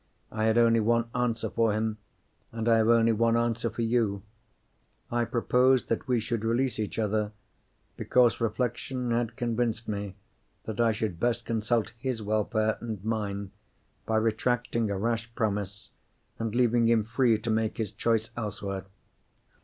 "I had only one answer for him, and I have only one answer for you. I proposed that we should release each other, because reflection had convinced me that I should best consult his welfare and mine by retracting a rash promise, and leaving him free to make his choice elsewhere."